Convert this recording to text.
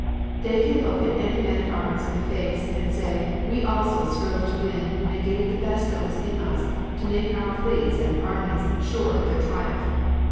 They can look any man at arms in the face, and say, we also strove to win and gave the best that was in us to make our fleets and armies sure of their triumph!